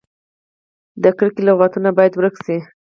د کرکې لغتونه باید ورک شي.